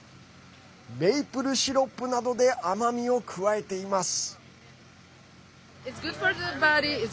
メイプルシロップなどで甘みを加えています。